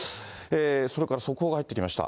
それから速報が入ってきました。